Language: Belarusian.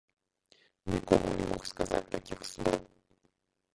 Нікому не мог сказаць такіх слоў.